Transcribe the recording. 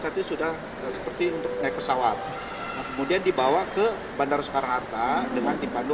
satu sudah seperti untuk naik pesawat kemudian dibawa ke bandara soekarno hatta dengan dipandu